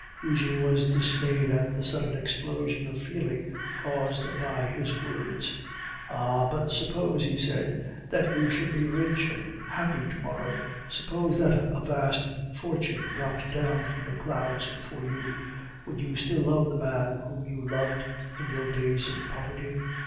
Eugene was dismayed at the sudden explosion of feeling caused by his words. "Ah! but suppose," he said, "that you should be rich and happy to morrow, suppose that a vast fortune dropped down from the clouds for you, would you still love the man whom you loved in your days of poverty?"